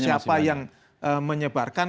entah siapa yang menyebarkan